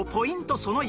その１